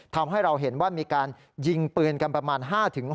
ทำให้เราเห็นว่ามีการยิงปืนกันประมาณ๕๖